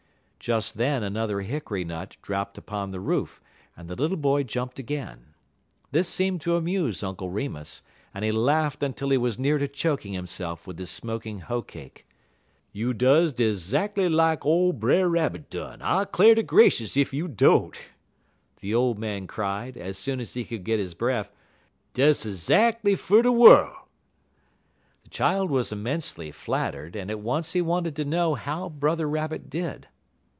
Just then another hickory nut dropped upon the roof, and the little boy jumped again. This seemed to amuse Uncle Remus, and he laughed until he was near to choking himself with his smoking hoe cake. "You does des 'zackly lak ole Brer Rabbit done, I 'clar' to gracious ef you don't!" the old man cried, as soon as he could get his breath; "dez zackly fer de worl'." The child was immensely flattered, and at once he wanted to know how Brother Rabbit did.